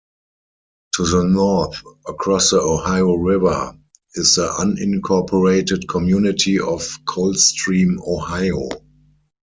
To the north, across the Ohio River, is the unincorporated community of Coldstream, Ohio.